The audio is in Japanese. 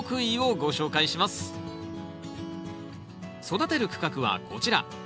育てる区画はこちら。